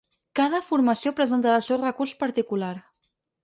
Cada formació presentarà el seu recurs particular.